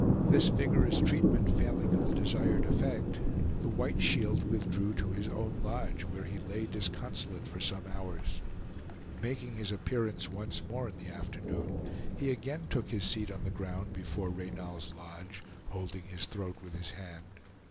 This vigorous treatment failing of the desired effect, the White Shield withdrew to his own lodge, where he lay disconsolate for some hours. Making his appearance once more in the afternoon, he again took his seat on the ground before Reynal's lodge, holding his throat with his hand.